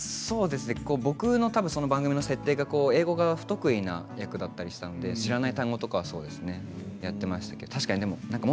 僕の番組の設定が英語が不得意な役だったりしたので、知らない単語とかそうですねやったりしていましたけれども。